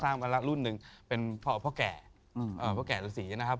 สร้างละรุ่นหนึ่งเป็นเจ้าแก่สีนะครับ